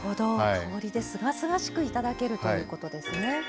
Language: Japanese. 香りで、すがすがしくいただけるということですね。